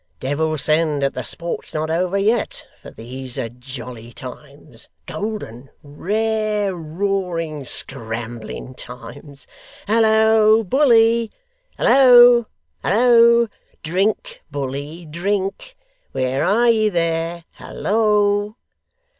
Devil send that the sport's not over yet, for these are jolly times; golden, rare, roaring, scrambling times. Hallo, bully! Hallo! Hallo! Drink, bully, drink. Where are ye there! Hallo!